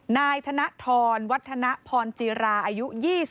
นายธนทรวัฒนพรจีราอายุ๒๒